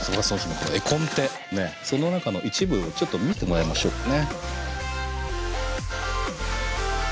その中の一部をちょっと見てもらいましょうかね。